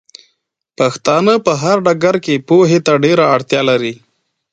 پښتانۀ په هر ډګر کې پوهې ته ډېره اړتيا لري